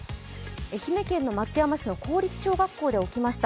愛媛県松山市の公立小学校で起きました。